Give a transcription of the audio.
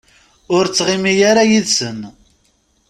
Ur ttɣimi ara yid-sen.